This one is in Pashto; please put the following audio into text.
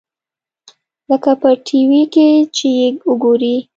لکه په ټي وي کښې چې يې وګورې.